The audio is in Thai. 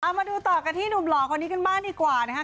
มาดูต่อกันที่หนุ่มหล่อคนนี้กันบ้างดีกว่านะคะ